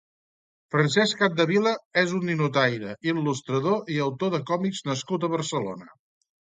Francesc Capdevila és un ninotaire, il·lustrador i autor de còmics nascut a Barcelona.